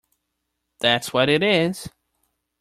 That’s what it is!